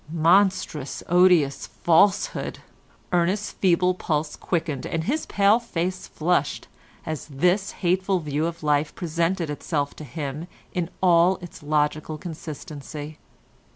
Monstrous, odious falsehood! Ernest's feeble pulse quickened and his pale face flushed as this hateful view of life presented itself to him in all its logical consistency.